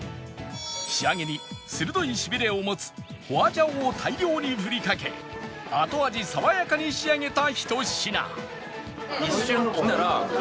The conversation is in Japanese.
仕上げに鋭いしびれを持つ花椒を大量にふりかけ後味爽やかに仕上げたひと品